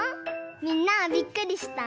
みんなびっくりした？